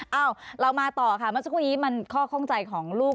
เอ้าเรามาต่อค่ะมันจะคุยมันข้อข้องใจของลูก